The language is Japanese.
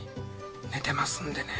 寝てますんでね。